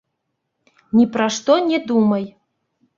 Ні пра што не думай.